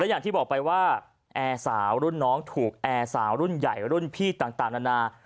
อย่างที่บอกไปว่าแอร์สาวรุ่นน้องถูกแอร์สาวรุ่นใหญ่รุ่นพี่ต่างนานา